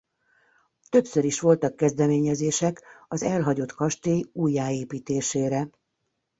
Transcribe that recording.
Többször is voltak kezdeményezések az elhagyott kastély újjáépítésére.